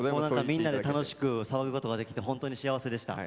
みんなで楽しく騒ぐことができてホントに幸せでした。